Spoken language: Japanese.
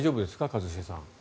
一茂さん。